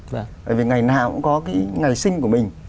và vì ngày nào cũng có cái ngày sinh của mình